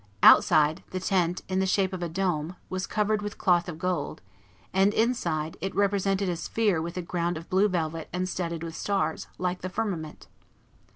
Outside, the tent, in the shape of a dome, was covered with cloth of gold; and, inside, it represented a sphere with a ground of blue velvet and studded with stars, like the firmament.